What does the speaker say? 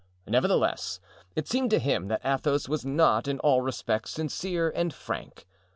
Nevertheless, it seemed to him that Athos was not in all respects sincere and frank.